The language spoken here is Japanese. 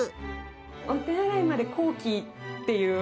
お手洗いまで高貴っていう。